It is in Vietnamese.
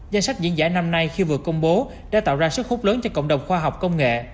danh sách diễn giải năm nay khi vừa công bố đã tạo ra sức hút lớn cho cộng đồng khoa học công nghệ